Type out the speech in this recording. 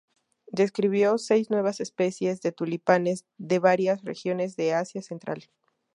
Describió seis nuevas especies de tulipanes de varias regiones de Asia Central.